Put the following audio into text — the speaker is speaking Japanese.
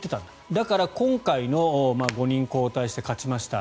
だから今回の５人交代して勝ちました